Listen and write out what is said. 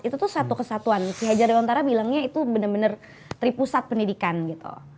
itu tuh satu kesatuan si hajar dewantara bilangnya itu bener bener tri pusat pendidikan gitu